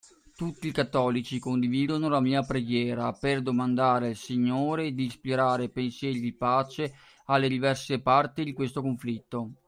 Tutti i cattolici condividano la mia preghiera, per domandare al Signore di ispirare pensieri di pace alle diverse parti di questo conflitto!